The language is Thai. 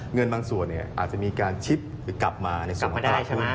เงินบางส่วนเนี่ยอาจจะมีการชิปกลับมาในส่วนของตลาดหุ้น